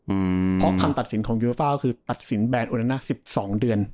อืมเพราะคำตัดสินของยูฟ่าก็คือตัดสินแบรนโอนาสิบสองเดือน